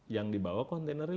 yang dibawa kontainernya